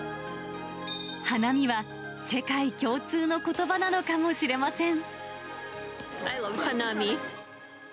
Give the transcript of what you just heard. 花見は世界共通のことばなのかもしれません。